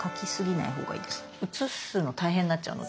写すの大変になっちゃうので。